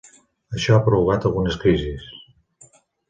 Això ha provocat algunes crisis.